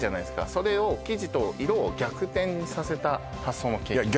それを生地と色を逆転させた発想のケーキです